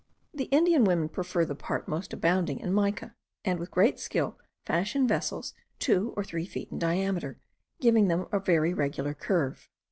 The Indian women prefer the part most abounding in mica; and with great skill fashion vessels two or three feet in diameter, giving them a very regular curve.